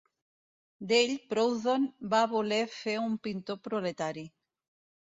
D'ell, Proudhon, va voler fer un pintor proletari.